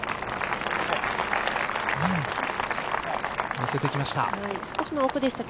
のせていきました。